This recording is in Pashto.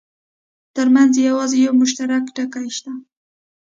ترمنځ یې یوازې یو مشترک ټکی شته.